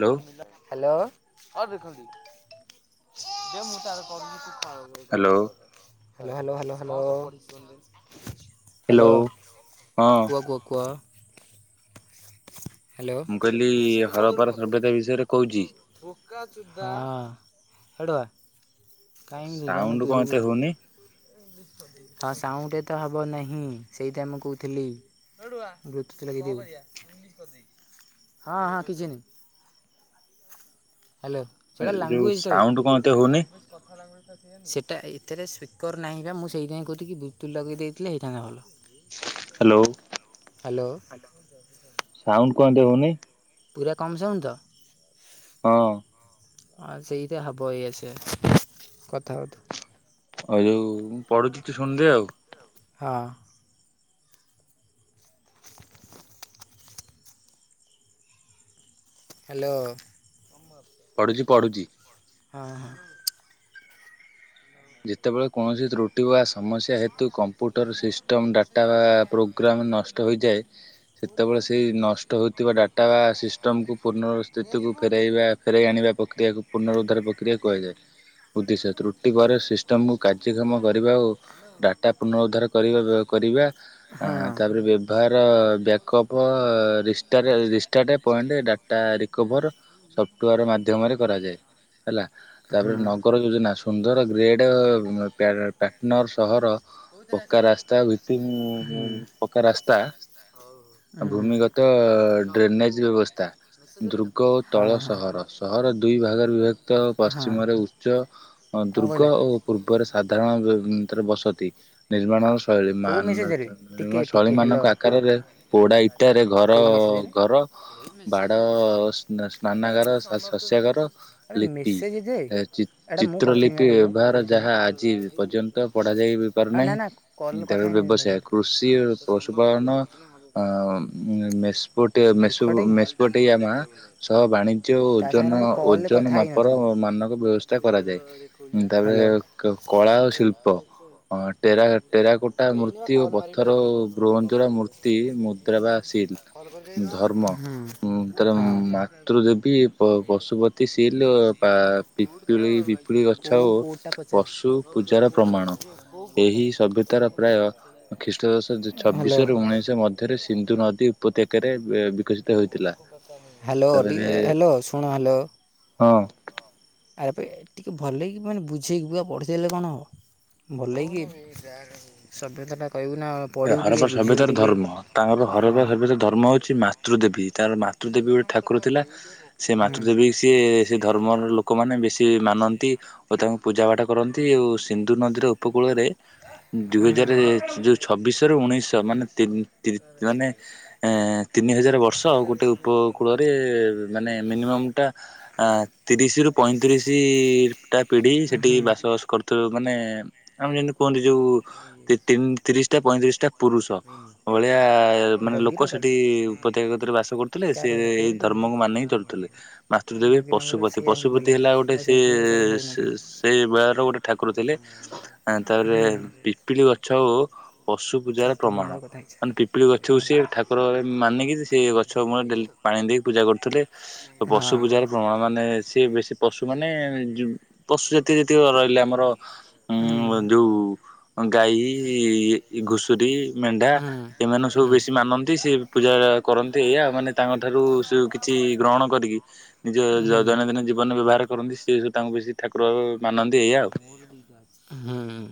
Hello. Hello hello hello. Hello hello hello ହଁ। କୁହ କୁହ କୁହ ହ୍ୟାଲୋ ମୁଁ କହିଲି ହଳପାର ହଁ ସବୁ ହେଟୋକା କାଇଁ ଏମିତି ହୋଉଛ ଯାଉନ ସାଉଣ୍ଡ କଣ ଦୁରକୁ ଏତେ ଯା। ହଉନି ହଁ ସାଉଣ୍ଟୁ ଏତେ ହେବ ନାହିଁ, ସେଇଟା ମୁଁ କହୁଥିଲି। ବ୍ଲୁଟୁଥ୍ ଲଗେଇଦେବି, ହଁ ହଁ କିଛି ନାହିଁ। ହ୍ୟାଲୋ ସେଇଟା ଯୋଉ ଲାଙ୍ଗୁଏଜଟାବେ। ସାଉଣ୍ଡ କଣ ଏତେ ହଉନି? ସେଟା ଏଥିରେ ସ୍ପିକର ନାହିଁଗା ମୁଁ ସେଇଥିାଇଁ କହୁଥିଲି ବ୍ଲୁଟୁଥ୍ ଲଗେଇ ଦେଇଥିଲେ ହେଇଥାନ୍ତା ଭଲ। ହ୍ୟାଲୋ ହ୍ୟାଲୋ ସାଉଣ୍ଟୁ କଣ ଏମିତି ହଉନି? ପୁରା କମ୍ ଶାଉଣ୍ଡ ତ ହଁ। ଆ ସେଇଟା ହବ ଏଇଆ ସେଇଆ କଥା ହଉଥା। ଆଉ ଯୋଉ ମୁଁ ପଢୁଛି ତୁ ଶୁଣିଦେ ଆଉ। ହଁ। ହ୍ୟାଲୋ। ପଢୁଛି ପଢୁଛି ହଁ ହଁ। ଯେତେବେଳେ କୌଣସି ତ୍ରୁଟି ବା ସମସ୍ୟା ହେ ତୁ କମ୍ପ୍ୟୁଟର ସିଷ୍ଟମ୍ ଡାଟା ବା ପୋଗ୍ରାମ୍ ନଷ୍ଟ ହୋଇଯାଏ। ସେତେବେଳେ ସେଇ ନ ନଷ୍ଟ ହେଇଥିବା ଡାଟା ସିଷ୍ଟମ ପୁନ ସ୍ଥିତିକୁ ଫେରାଇବା ଫେରାଇଆଣିବା ପ୍ରକ୍ରିୟାକୁ ପୂର୍ଣ୍ଣଉଧାର ପ୍ରକ୍ରିୟା କୁହାଯାଏ। ଉଦ୍ଦେଶ୍ୟ ତ୍ରୁଟିିବାରେ ସେ ସିଷ୍ଟମକୁ କାର୍ଯ୍ୟକ୍ଷମ କରିବା ଓ ଡାଟା ଉଧାର କରିବା କରିବା ହଁ ଆଁ ତାପରେ ବ୍ୟବହାର ବ୍ୟାକପ ରିଷ୍ଟାରେ ରିଷ୍ଟାଟ ପଏଣ୍ଟ ଡାଟାରିକଭର ସଫ୍ଟୱୋର ମାଧ୍ୟମରେ କରାଯାଏ। ହେଲା, ହଁ ତାପରେ ହଁ। ନଗର ଯୋଜନା ସୁନ୍ଦର ଗ୍ରେଡ ପ୍ୟାଟନର ସହର ପକା ରାସ୍ତା [unintelligible] ହୁଁ ପକା ରାସ୍ତା ହୁଁ ଭୂମିଗତ ଡ୍ରେନେଜ ବ୍ୟବସ୍ଥା। ଦୁର୍ଗ ହଁ ହଁ ତଳସହର, ସହର ଦୁଇ ଭାଗରେ ବିଭକ୍ତ ହଁ ପଶ୍ଚିମରେ ଉଚ୍ଚ ଦୁ କଣ ଦୁର୍ଗ କହିଲା ଓ ପୂର୍ବରେ ସାଧାରଣ ଭିତରେ ବସତି ନିର୍ମାଣ ଶୈଳୀ କେଉଁ ମାନ ମେସେଜରେ ଟିକେ ଟିକେ ହ୍ୟାଲୋ ଶୈଳୀମାନଙ୍କ ହଁ ଆକାରରେ ପୋଡା ଇଟାରେ ଘର କେଉଁ ମେସେଜରେ ଘର ବାଡ ସ୍ନା ସ୍ନାନାଗାର ସ ଶସ୍ୟାଗାର ଆରେ ଲିପି ମେସେଜ ଯେ ଚିତ ଏଇଟା ମୁଁ କରିଥିଲି ନା ଚିତ୍ରଲିପି ତାଗିର ବ୍ୟବହାର କରିଥିଲି ନା ଯାହା ଆଜି ପର୍ଯ୍ୟନ୍ତ ପଢାଯାଇ ହଁ ନା ପାରୁନାହିଁ। ନା କଲ୍ କଥା ତାପରେ ହେଇନଥିଲି ତା ବ୍ୟବସାୟ ସହିତ କୃଷି ଓ ପଶୁପାଳନ ଆଉ ମେସପଟ ମେସୋ ମୂର୍ଖଟେ କି ମେସୋପଟିଆମା ସହ ବାଣିଜ୍ୟ ଓ ତା ସାଙ୍ଗରେ ଓଜନ ମୁଁ କଲରେ ଓଜନ କଥା ମାପର ହେଇନଥିଲି ମାନକ ବ୍ୟବସ୍ଥା କରାଯାଏ। ତାପରେ ହ୍ୟାଲୋ କଳା ଓ ଶିଳ୍ପ ଟେରା ଟେରାକୋଟା ହୁଁ ହଁ ମୂର୍ତ୍ତି ଓ ପଥର ବ୍ରୋଞ୍ଜର ମୂର୍ତ୍ତି ମୁଦ୍ରା ବା ସିଲ୍କ। ଧର୍ମ ତାର ମାତୃ ଦେବୀ ପଶୁପତି ସିଲ ବା ବିପୁଳି ବିପୁଳିଗ ଗଛ କେଉଁ ଓ କେଉଁଟା ପଚାର ପଶୁ ପୂଜାର ପ୍ରମାଣ। ଏହି ସଭ୍ୟ ତାର ପ୍ରାୟ ଖ୍ରୀଷ୍ଟଦଶ ହ୍ୟାଲୋ ଛବିଶିରୁ ଉଣେଇଶ ମଧ୍ୟରେ ସିନ୍ଧୁ ନଦୀ ଉପତ୍ୟକାରେ ବିକଶିତ ହୋଇଥିଲା। ହାଲୋ ତାପରେ ଟିକେ ହାଲୋ ଶୁଣ ହାଲୋ। ହଁ। ଆବେ ଟିକେ ଭଲକି ମାନେ ବୁଝେଇକି ପୁରା ପଢିଦେଲେ କଣ ହବ। ଭଲକି ଯାହାର ସଭ୍ୟତା ଏ ହରପା ସଭ୍ୟତାର ଧର୍ମ। ତାଙ୍କର ହରପା ହଁ। ସଭ୍ୟତାର ଧର୍ମ ହଉଛି ମାତୃଦେବୀ। ତାଙ୍କର ମା ମାତୃ ଦେବୀ ଗୋଟେ ଠାକୁର ଥିଲା। ସେ ମାତୃ ଦେବୀ ସିଏ ସେ ଧର୍ମର ଲୋକମାନେ ବେଶୀ ମାନନ୍ତି ଓ ତାଙ୍କୁ ପୂଜା ପାଠ କରନ୍ତି। ଓ ସିନ୍ଧୁ ନଦୀର ଉପକୂଳରେ ଦୁଇ ହଜାର ହୁଁ ଯୋଉ ଛବିଶ ର ଉଣେଇଶ ମାନେ ତିନି [unintelligible] ମାନେ ଏ ତିନି ହଜାର ବର୍ଷ। ଆଉ ଗୋଟେ ଉପକୂଳରେ ମାନେ ମିନିମମ୍ ଟା ଆ ତିରିଶ ରୁ ପଇଁତିରିଶ ଟା ପିଢ଼ି ସେଠି ହୁଁ ବାସବାସ କରୁୁଥିବେ ମାନେ ଆମେ ଯେମିତି କୁହନ୍ତିୁ ଯୋଉ ତିନି ତିରିଶ ଟା ପଇଁତିରିଶ ଟା ପୁରୁଷ ଭଳିଆ ମାନେ ଲୋକ ଡଗିର ତାଟା ସେଠି ଉପତ୍ୟକା କତି ରେ ବାସ କରୁଥିଲେ। ସେ କାର ଏଟା ଏଇ ତୋରି ଧର୍ମ ପକଉଚୁ। ମକୁ ମାନି ଚଳୁଥିଲେ। ମାତୃ ଦେବୀ ଡଗି ନମ୍ବରଟା ପଶୁପତି ସେଇଆ ପଶୁପତି ହଉଥିଲା ହେଲା ଗୋଟେ ମୁଁ ସେ ସେଇଥିପାଇଁ ସେତେବେଳେ ହଉନଥିଲା ସେ ବେଳ ର ଗୋଟେ ଠାକୁର ଥିଲେ। ତାପରେ ହୁଁ। ପିପିଳି ଗଛ ଓ ପଶୁ ହଁ ପୂଜାରେ ତୋ ପ୍ରମାଣ। ନମ୍ବର କଥା ହେଇଯା ମାନେ ପିପିଳି ଗଛକୁ ହଁ ସିଏ ଠାକୁର ମାନିକି ସେ ଗଛ ମୂଳ ରେ ଡେଲି ପାଣି ଦେଇକି ପୂଜା କରୁଥିଲେ। ହଁ ପଶୁ ପୂଜାର ପ୍ରମାଣ। ମାନେ ସିଏ ବେଶୀ ପଶୁ ମାନେ ଯୋଉ ପଶୁ ଜାତୀୟ ଯେତିକି ରହିଲେ ଆମର ଉଁ ହୁଁ ଯୋଉ ଗାଈ ଏ ଘୁଷୁରୀ, ମେଣ୍ଢା, ହୁଁ। ଏମାନଙ୍କୁ ସବୁ ହୁଁ ବେଶୀ ମାନନ୍ତି ସେ ପୂଜା କରନ୍ତି। ଏଇଆ ମାନେ ତାଙ୍କ ଠାରୁ ସେ କିଛି ଗ୍ରହଣ କରିକି ନିଜ ହୁଁ ଦୈନନ୍ଦିନ ଜୀବନ ବ୍ୟବହାର କରନ୍ତି। କି ତାଙ୍କୁ ବେଶୀ ଠାକୁର ମାନନ୍ତି ଏଇଆ ଆଉ। [unintelligible] ହୁଁ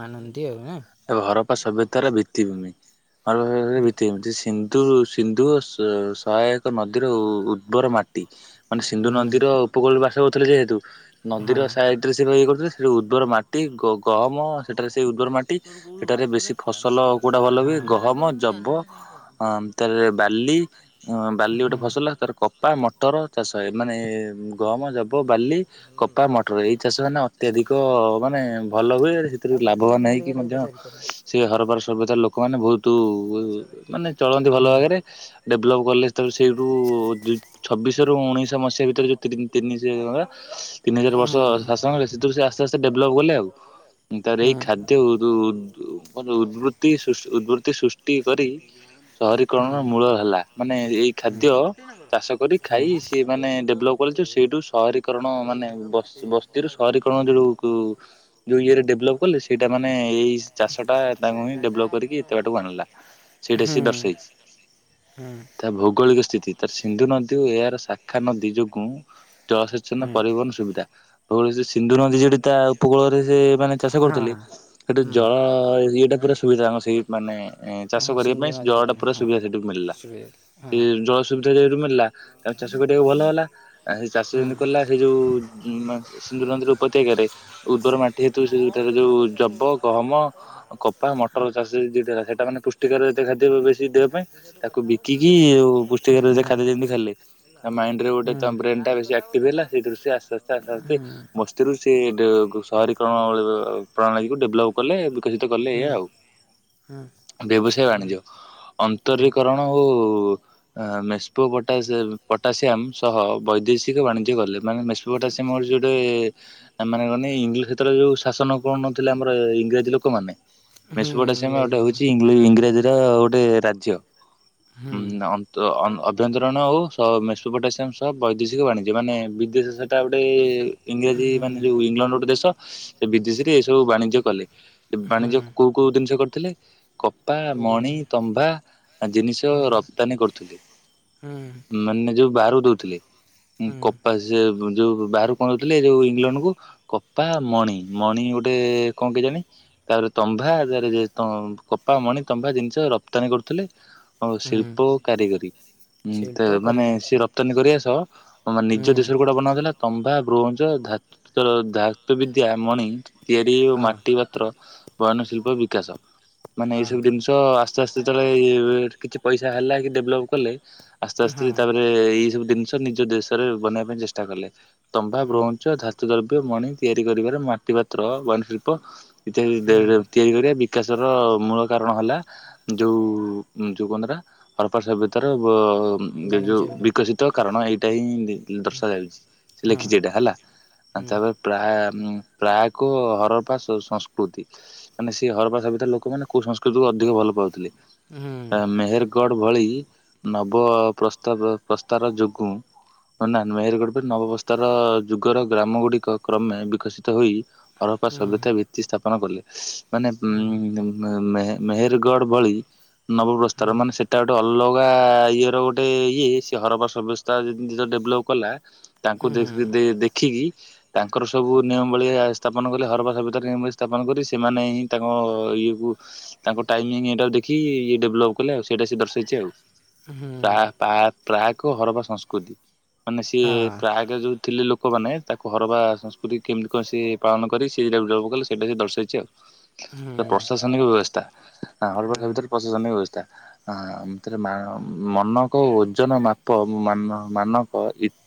ମାନନ୍ତି। ଆଉ ଆଁ ହରପା ସଭ୍ୟତା ର ଭିତ୍ତିଭୂମି [unintelligible] ସି ସିନ୍ଧୁ ସିନ୍ଧୁ ସହାୟକ ନଦୀର ଉର୍ବର ମାଟି। ମାନେ ସିନ୍ଧୁ ହୁଁ। ନଦୀର ଉପକୂଳରେ ବାସ କରୁଥିଲେ ଯେହେତୁ, ହଁ ନଦୀର ସାଇଟ୍ ରେ ସେ ଇଏ କରୁଥିଲେ। ସେଠି ଉର୍ବର ମାଟି ଗହମ ସେଠାରେ ସେଇ ଉର୍ବର ମାଟି। ସେଠାରେ ବେଶୀ ଫସଲ କୋଉଟା ଭଲ ହୁଏ, ହଁ ଗହମ, ଜବ, ବା ବାର୍ଲି ବାର୍ଲି ଗୋଟେ ହୁଁ। ଫସଲ। ତାପରେ କପା, ମଟର ଚାଷ ହୁଏ। ମାନେ ଗହମ, ଜବ, ବାର୍ଲି, କପା, ମଟର ଏଇ ଚାଷ ମାନେ ଅତ୍ୟଧିକ ମାନେ ଭଲ ହୁଏ। ସେଥିରୁ ତାକୁ ବୁଝି ପାରୁନ ଲାଭବାନ ମୁଁ ହେଇ ଦେଖିଆ ତାକୁ ମଧ୍ୟ ପଚାରି ପାରୁନି। ସେ ହରପା ର ସଭ୍ୟତା ଲୋକମାନେ ବହୁତ ମାନେ ହଁ ଚଳନ୍ତି ଭଲ ଭାବରେ। ଡେଭଲପ୍ କଲେ ତ ସେଇଠୁ ଛବିଶ ରୁ ଉଣେଇଶ ମସି ସେ ଭିତରେ ଯୋଉ ତିନି [unintelligible] ତିନି ହଜାର ହଁ ବର୍ଷ ଶାସନ ହେଲେ, ସେଥିରି ସେ ଆସ୍ତେ ଆସ୍ତେ ଡେଭଲପ୍ କଲେ ଆଉ। ତାପରେ ହଁ ହଁ ହଁ। ଏଇ ଖା ଉଦ ଉଵୃତ୍ତି ଉଵୃତ୍ତି ସୃଷ୍ଟି କରି ହଁ ହଁ ସହରୀକରଣର ମୂଳ ହେଲା। ମାନେ ଏଇ ଖାଦ୍ୟ ଚାଷ କରି ହଁ ହଁ ଖାଇ ସିଏ ମାନେ ଡେଭଲପ ସେଇଠୁ ସହରୀକରଣ ମାନେ ବସ୍ତି ର ସହରୀକରଣ ଯୋଉ ଯୋଉ ଇଏରେ ଡେଲପ କଲେ ସେଇଟା ମାନେ ଏଇ ଚାଷ ଟା ତାଙ୍କୁ ହିଁ ଡେଭଲପ କରିକି ଏତେ ବାଟକୁ ଆଣିଲା। ସେଇଟା ସେ ଦର୍ଶାଇଛି ତା ଭୌଗୋଳିକ ତ ସିନ୍ଧୁ ନଦୀ ଓ ଏହାର ଶାଖା ନଦୀ ଯୋଗୁଁ ଜଳସେଚନ ପରିବହନ ସୁବିଧା। ସେ ସିନ୍ଧୁ ନଦୀ ଯଠି ତା ଉପକୂଳରେ ସେ ମାନେ ଚାଷୁଥିଲେ, ହଁ। ସେଟୁ ହୁଁ ଜଳ ଇଏଟା ପୁରା ସୁବିଧା ଆମ ସେଇ ମାନେ ଚାଷ ହଁ କରିବା ସିନ୍ଧୁ ପାଇଁ ନଦୀ ଜଳ ଟା କତିରେ ପୁରା ହଁ ସୁବିଧା। ସୋୁ ମିଳିଲା ସୁବିଧା ସେ ଜଳ ସୁବିଧା ଯ ଳିଲା ତ ଚାଷ କରିବାକୁ ଭଲ ହେଲା ଚାଷ ହଁ ହଁ କ ସେ ଯୋଉିୁର ଉପତ୍ୟକାରେ ଉର୍ଦ୍ବର ମାଟି ହେତୁ ସେ ଯୋଉ ରବ ଗହମ କପା ମଟର ଚାଷ ଦିଟା ସେଇଟା ମାନେ ପୁଷ୍ଟିକର ଯେତେ ଖାଦ୍ୟ ବେଶୀ ଦେହ ପାଇଁ। ତାକୁ ବିକି ପୁଷ୍ଟିକାର ଖାଦ ଯେମିତି ଖାଲି ମାଇଣ୍ଡ ରେ ଗୋଟେ ହଁ ବ୍ର ଟା ବେଶ ଆକ୍ଟିଭ ହେଲା ସେଇ ଦ ଆସ୍ତେ ଆସ୍ତେ ଆସ୍ତେ ଆସ୍ତେ ହଁ ମସ୍ତିରୁ ସହରୀକରଣ ବ ପ୍ରଣାଳୀକୁ ଡେଭଲପ୍ କଲେ ବିକଶିତ କଲେ ହଁ ହଁ ଏଇ ଆଉ। ହଁ ବ୍ୟବସାୟ ବାଣିଜ୍ୟ ହଁ ଅନ୍ତରୀକରଣ ଓ ମେସ୍ପୋା ପଟାସିୟମ୍ ସହ ବୈଦେଶିକ ବାଣିଜ୍ୟ କଲେ ମାନେ ଶୁ ସେ ମୋର ଯେ ଗୋଟେ ମାନେ କହନେ ଇଂଲିଶ୍ଷତରେ ଯେଉଁ ଶାସନ। ପଢୁନଥିଲେ ଆମର ଇଂରାଜୀ ଲୋକ ମାନେ, ହୁଁ [unintelligible] ଇଂରାଜୀ ଗୋଟେ ଲୋକ ରାଜ୍ୟ। ହୁଁ ଆଭ୍ୟନ୍ତରଣ ଓଉ ମେସପୋ ପୋଟାସିୟମ୍ ସବ ବୈଦେଶିକ ବାଣିଜ୍ୟ ମାନେ ବିଦେଶ ସେଇଟା ଗୋଟେ ହୁଁ ଇଂରାଜୀ ମାନେ ଯେଉଁ ଇଂଲଣ୍ଡ ଗୋଟେ ଦେଶ ସେ ବିଦେଶୀରେ ଏସବୁ ବାଣିଜ୍ୟ କଲେ। ହୁଁ ବାଣିଜ୍ୟ କୋଉ କୋଉ ଜିନିଷ କରିଥିଲେ? କପା, କହୁଛନ୍ତି ମଣି, ତମ୍ଭା ଜିନିଷ ହୁଁ ରପ୍ତାନୀ କରୁଥିଲେ। ହୁଁ ମାନେ ଯୋଉ ବାହାରକୁ ଦଉଥିଲେ। ହୁଁ କପା ସେ ଯୋଉ ବାହାରୁ କଣ ଆଣୁଥିଲେ ଯୋଉ ଇଂଲଣ୍ଡ କୁ କପା, ମଣି। ମଣି ଗୋଟେ ଗୋଟେ କଣ କି ଜାଣି ତାପରେ ତମ୍ଭାରେ କପା ମଣି ତମ୍ଭା ଜିନିଷ ରପ୍ତାନୀ କରୁ ଥିଲେ ହୁଁ ଶିଳ୍ପ କାରିଗରୀ ଉ ଶିଳ୍ପ ମାନେ କାରିଗରୀ ସେ ରପ୍ତାନୀ କରିବା ସହ ହୁଁ ନିଜ ଦେଶରୁ ଗୋଟେ ବନାଉଥିଲା ତମ୍ଭା, ବ୍ରୋଞ୍ଜ, ଧାତୁ ବିଦ୍ୟା ମଣି, ତିଆରି ଓ ହଁ ମାଟି ପାତ୍ର ବୟନ ଶିଳ୍ପ ବିକାଶ ମାନେ ଏଇ ସବୁ ହଁ ଜିନିଷ ଆସ୍ତେ ଆସ୍ତେ ତଳେ କିଛି ପଇସା ହେଲା କି ଡେଭଲପ କଲେ ଆସ୍ତେ ଆସ୍ତେ ହଁ ତାପରେ ଏଇ ସବୁ ଜିନି ନିଜ ଦେଶରେ ବନେଇବା ପାଇଁ ଚେଷ୍ଟା କଲେ ତମ୍ବା, ହୁଁ ବ୍ରୋଞ୍ଚ, ଧାତୁ ଦ୍ରବ୍ୟ, ମଣି ତିଆରି କରିବାର ମାଟି ପାତ୍ର ବନଶିଳ୍ପ ଇତ୍ୟାଦି ହୁଁ ତିଆରି କରିବା ବିକାଶର ମୂଳ କାରଣ ହେଲା ଯୋଉ ଯୋଉ କା ହରପାର୍ ସଭ୍ୟତାର ଯୋଉ ବାଣିଜ୍ୟ ବିଭାଗ ବିକଶିତ କାରଣ ଏଇଟା ହିଁ ଦର୍ଶା ଯାଉଛି, ସେ ହଁ ଲେଖିଛି ଏଟା ହେଲା ହୁଁ ତାପରେ ପ୍ରାୟ ଏକ ହରପା ସଂସ୍କୃତି ମାନେ ସେ ହରପା ସଭରେ ଲୋକମାନେ କଉଁ ସଂସ୍କୃତିକୁ ଅଧିକ ଭଲ ପାଉଥିଲେ। ହୁଁ ଗଡ ଭଳି ନବ ପ୍ରସ୍ତାବ ପ୍ରସ୍ତାର ଯୋଗୁଁ, ନାେହେରଗଡ ନବବସ୍ଥାର ଯୁଗର ଗ୍ରାମ ଗୁଡିକ କ୍ରମେ ବିକଶିତ ହୋଇ, ହରପା ହୁଁ ସଭ୍ୟତା ଭିତ୍ତି ସ୍ଥାପନ କଲେ। ମାନେ ହୁଁ ମେହେରଗଡ ଭଳି ହୁଁ ନବପ୍ରସ୍ତାର ମାନେ ହୁଁ ସେଟା ଗୋଟେ ଅଲଗା ଇଏର ଗୋଟେ ଇଏ ସେ ହରପା ବ୍ୟବସ୍ଥା ଯେମିତି ତ ଡେଭଲପ୍ କଲା, ତାଙ୍କୁ ହୁଁ ଦେଖ ହଁ ଦେଖିକି ତାଙ୍କର ସବୁ ନିୟମାବଳିୀଆ ସ୍ଥାପନ କରିବା ସ୍ୟତ ସ୍ଥାପନ କରି ସେମାନେ ହିଁ ତାଙ୍କ ଇଏକୁ ତାଙ୍କ ଟାଇମିଂ ଏଟା ଇ ଡେଭଲପ କଲେ ଆଉ ସେଇଟା ସେ ଦର୍ଶେଇଛି ଆଉ। ହୁଁ ହଁ ହୁଁ ପ୍ରାୟ ପ୍ରାୟକ ହରବା ସଂସ୍କୃତି। ମାନେ ସିଏ ପ୍ର ଆଗ ଯୋଉ ଥିଲେ ଲୋକମାନୋନେ ତାକୁ ହରବା ସଂସ୍କୃତି କେମତି କଣ ସେ ପାଳନ କରି ସେଟା ଜ କଲେ ସେଇଟା ସେ ଦର୍ଶାଇଛି ଆଉ। ପ୍ରଶାସନିକ ବ୍ୟବସ୍ଥା ହଁ ହଲ ପ୍ରଶାସନ ବ୍ୟବ ସ୍ଥା ରେ ମନକ ଓଜନ ମାପ ମାନ ମାନକ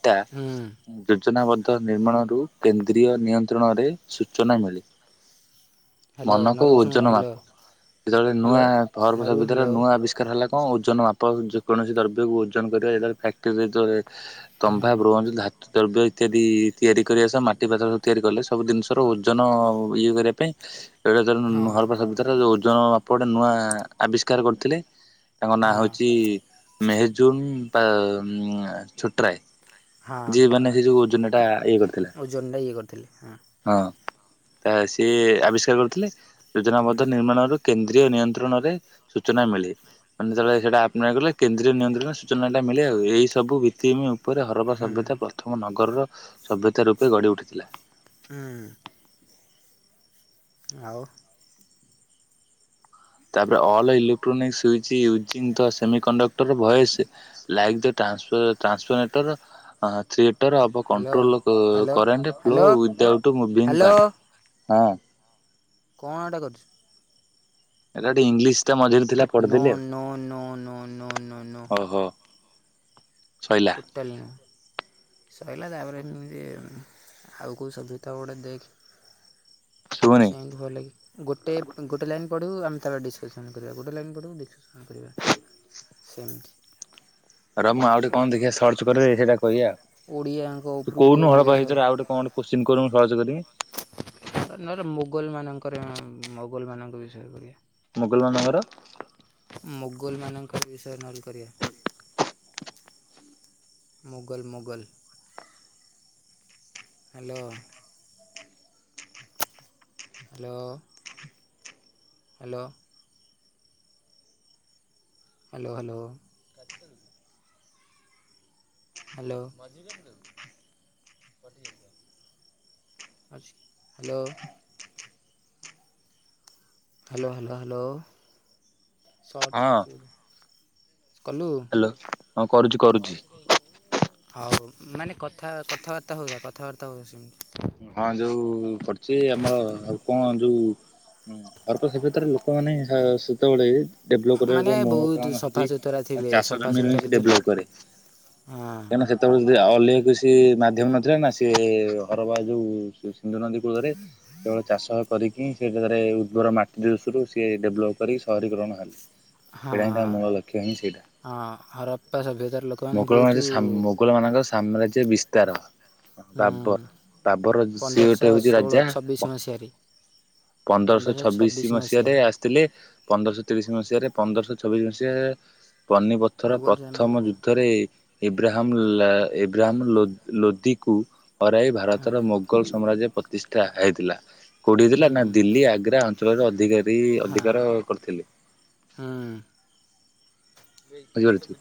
ଟା ଯୋଜନାବଦ୍ଧ ନିର୍ମାଣରୁ କେନ୍ଦ୍ରୀୟ ନିୟନ୍ତ୍ରଣରେ ସୂଚନା ମିଳେ। ହ୍ୟାଲୋ ମନକୁ ନରୁ ଶୁଣୁ ଓଜନ ହ୍ୟାଲୋ ମାପ ଯେତେବେଳେ ନୂଆ ହ୍ୟାଲୋ ପର୍ବତ ନରୁ ଭିତରେ ହ୍ୟାଲୋ ନୂଆ ଆବିଷ୍କାର ହେଲା ହଁ, ଓଜନ ମାପ ଯେକୌଣସି ଦ୍ରବ୍ୟକୁ ଓଜନ କରିବା ଯାରା ଫ୍ୟାକ୍ଟ୍ରିରେ ଯେତେବେଳେ ହଁ ତମ୍ଭା, ବ୍ରୋଞ୍ଚ, ଧାତୁ ଦ୍ରବ୍ୟ ଇତ୍ୟାଦି ତିଆରି କରିବା ସସହ ମାଟି ପାତ୍ରରେ ତିଆରି କଲେ ସବୁ ଜିନିଷର ଓଜନ ଇଏ କରିବା ପାଇଁ ଏରା ଯୋଉ ହଁ ନୁହ ପାଖ ଭିତରେ ଯୋଉ ଓଜନ ମାପ ପଟେ ନୂଆ ଆବିଷ୍କାର କରିଥିଲେ ତାଙ୍କ ନାଁ ହଁ ହଉଛି ମେହେଜୁନ୍ ପା ଉ ଛୋଟ୍ ରାଏ, ଯିଏ ମାନେ ସେ ଯୋଉ ଓଜନ ଟା ଓଜନ ଟା ଇଏ କରିଥିଲେ। ହଁ, ତ ସିଏ ଆବିଷ୍କାର କରିଥିଲେ। ହୁଁ ଯୋଜନାବଦ୍ଧ ନିର୍ମାଣରୁ କେ ନ୍ଦ୍ରୀୟ ନିୟନ୍ତ୍ରଣରେ ସୂଚନା ମିଳେ ମାନେ ସେଟା ଆପ କଲେ କେନ୍ଦ୍ରୀୟ ନିୟନ୍ତ୍ରଣରେ ସୂଚନା ଟା ମିଳେ ଆଉ ଏଇ ସବୁ ଭିତ୍ତିଭୂମି ଉପ ଉପରେ ହରବା ହୁଁ ସଭ୍ୟତା ପ୍ରଥମ ନଗରର ସଭ୍ୟତା ରୂପେ ଗଢି ଉଠିଥିଲା। ହଁ। ଆଉ। ତାପରେ all electronics switch ଉଜୀ the semiconductor voice live data ଟ୍ରାନ୍ସଫ ଟ୍ରାନ୍ସଫରେଟର uh three ଟର ଅଫ୍ ହ୍ୟାଲୋ କଣ୍ଟ୍ରୋଲ କ hello current flow hello without moving hello part. ହଁ। କଣଟା କରୁଛୁ? ଏଟା ଟିକେ ଇଂଲିଶ। ଟା ମଝିରେ ଥିଲା ନୋ ପଢିଦେଲି ଆଉ no no no no no no. ଓହୋ ସଇଲା ଟୁଟାଲି ନାହିଁ। ରହିଲା ତାପରେ ଯେ ଆଉ କେଉଁ ସଭ୍ୟତା ଗୋଟେ ଦେଖ ଶୁଭୁନି। ଚେଞ୍ଜ ହଲାକି ଗୋଟେ ଗୋଟେ ଲାଇନ୍ ପଢ଼ୁ ଆମେ ତାପରେ ଡିସ୍କସନ୍ କରିବା ଗୋଟେ ଲାଇନ୍ ପଢ଼ୁ ଡିସକସନ୍ କରିବା ସେମିତି ରହ ମୁଁ ଆଉ ଗୋଟେ କଣ ଦେଖିବା ସର୍ଚ୍ଚ କରେ ହେଟା କହିବା ଆଉ। ଓଡ଼ିଆଙ୍କ ତୁ ଉପରକୁ ଟିକେ କୋହୁନୁ ହଳ ପଳେଇ ବା ଆସ ଭିତରେ ଆଉ ଗୋଟେ କଣ ଗୋଟେ କୋସଚିନ କରୁନୁ ମୁ ସର୍ଚ୍ଚ କରିମୀ। ନହେଲେ ମୋଗଲମାନଙ୍କରେ ମୋଗଲମାନଙ୍କ ବିଷୟରେ ବି ମୁଗଲମାନଙ୍କର ମୁଗଲମାନଙ୍କ ବିଷୟରେ ନହେଲେ କରିବା ମୁଗଲ ମୁ। Hello. Hello hello. Hello hello. Hello. Hello. Hello hello hello search ହଁ କରୁଚି। ହ୍ୟାଲୋ ହଁ କରୁଛି କରୁଛି ହଉ ମାନେ କଥା କଥାବାର୍ତ୍ତା ହଉଥା କଥାବାର୍ତ୍ତା ହଉଥା ସେମିତି ହଁ ଯୋଉ ପଡୂଛି ଆମର ଆଉ କଣ ଯୋଉ ଅର୍କ ସେ କ୍ଷେତ୍ରରେ ଲୋକମାନେ ସେତେବେଳେ ଡେଭଲପ ମାନେ କରିବାର ମୂଳ ବହୁତ କାରଣ ହୋଉଛି ସଫାସୁତୁରା ଥିଲେ ଚାଷ ଜମିରେ ସଫାସୁତୁରା ଥିଲେ ଡେଭଲପ କରେ ହଁ କାହିଁକିନା ସେତେବେଳେ ଯଦି ଅଲେ କୁଶି ସେ ମାଧ୍ୟମ ନଥିଲା ନା ସିଏ ହର ବା ଯୋଉ ସିନ୍ଧୁ ନଦୀ କୂଳରେ କେବଳ ଚାଷ କରିକି ସେଜାଗାରେ ଉର୍ବର ମାଟି ଦୃଶରୁ ସିଏ ଡେଭଲପ କରିକି ସହରୀ ଗରହଣ ହେଲି ହଁ ସେଇଟା ହିଁ ତା ମୂଳ ଲକ୍ଷ୍ୟ ହିଁ ସେଇଟା ହଁ ହରପ୍ପା ସଭ୍ୟତାର ଲୋକମାନେ ମୋଗଳ ବହୁତ ମାଝ୍ ମୋଗଳମାନଙ୍କର ସାମ୍ରାଜ୍ୟ ବିସ୍ ତାର ବାବର ଦାବର ସେ ଗୋଟେ ପନ୍ଦରଶହ ହଉଛି ଷୋହଳ ରାଜା ଛବିଶ କଣ ମସିହାରେ ପନ୍ଦରଶହ ଛବିଶି ମସିହାରେ ଆସିଥିଲେ ପନ୍ଦରଶହ ତିରିଶ ମସିହାରେ ପନ୍ଦରଶହ ଛବିଶ ମସିହା ପାନିପଥର ମୋଗଲ ପ୍ରଥମ ଯୁଦ୍ଧରେ ଇବ୍ରାହମ୍ ଲା ଇବ୍ରାହମ୍ ଲୋ ଲୋଦିକୁ ହରାଇବା ତାର ମୋଗଲ ସାମ୍ରାଜ୍ୟ ପ୍ରତିଷ୍ଠା ହେଇଥିଲା। କୋଉଠି ହେଇଥିଲା, ନା ହଁ ଦିଲ୍ଲୀ ଆଗ୍ରା ଅଞ୍ଚଳରେ ଅଧିକାରୀ ହଁ ଅଧିକାର କରିଥିଲେ। ହଁ। ବୁଝିପାରୁଛୁ?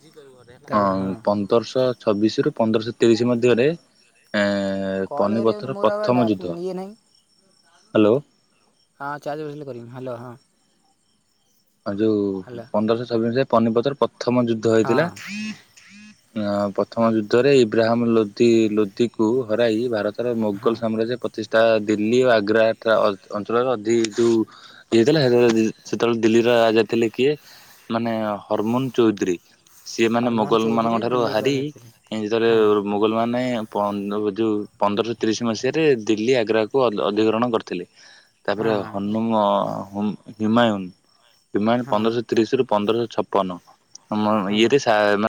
ତାପରେ ହଁ ଅ ପନ୍ଦରଶହ ଛବିଶରୁ ପନ୍ଦରଶହ ତିରିଶ ମଧ୍ୟରେ ଏଁ କଲ୍ କରିବା ପାଇଁ ପନିପଥର ମୋର ଆଉ ପ୍ରଥମ ଡ଼ା ଯୁଦ୍ଧ ଇଏ ନାହିଁ। ହ୍ୟାଲୋ ହଁ ଚାର୍ଜ ବସେଇଲେ କରିମି ହ୍ୟାଲୋ ହଁ। ଆ ଯୋଉ ହ୍ୟାଲୋ ପନ୍ଦରଶହ ଛବିଶ ମସିହାରେ ପାନିପଥର ପ୍ରଥମ ଯୁଦ୍ଧ ହୋଇଥିଲା। ହଁ ଆ ପ୍ରଥମ ଯୁଦ୍ଧରେ ଇବ୍ରାହାମ୍ ଲୋଧି ଲୋଧିକୁ ହରାଇ ଭାରତ ରେ ମୋଗଲ ହଁ ସାମ୍ରାଜ୍ୟ ପ୍ରତି ପ୍ରଚିଷ୍ଠା ଦିଲ୍ଲୀ ଓ ଆଗ୍ରା ଏଠା ଅଞ୍ଚଳରେ ଅଧିକ ଯୋଉ ଇଏ ହେଇଥିଲା ସେତେବେଳେ [unintelligible] ସେତେବେଳେ ଦିଲ୍ଲୀର ରାଜା ଥିଲେ କିଏ? ମାନେ ହରମୋନ ଚୌଧୁରୀ। ସିଏ ମାନେ ହରମୋହନ ମୋଗଲ ଚୌଧୁରୀ ମାନଙ୍କଠାରୁ ଦିଲ୍ଲୀପ ହାରି, ରାୟ ଯେତେବେଳେ ହଁ ମୋଗଲ ମାନେ ପଳନ୍ତି [unintelligible] ଯୋଉ ପନ୍ଦରଶହ ତିରିଶ ମସିହାରେ ଦିଲ୍ଲୀ ଆଗ୍ରାକୁ ଅଧି ଅଧିଗ୍ରହଣ କରିଥିଲେ। ହଁ ତାପରେ ହନୁମ ଅ ହିମାୟୁନ। ହିମାୟୁନ ହଁ ପନ୍ଦରଶହ ତିରିଶରୁ ପନ୍ଦରଶହ ଛପନ ଆମ ହଁ ଇଏରେ ସା ମାନେ